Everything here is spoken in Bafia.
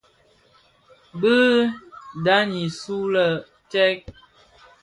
Bë ndhaň usu lè stè ?